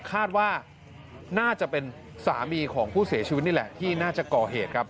คาดว่าน่าจะเป็นสามีของผู้เสียชีวิตนี่แหละที่น่าจะก่อเหตุครับ